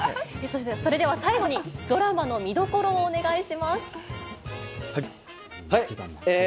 それでは最後に、ドラマの見どころをお願いします。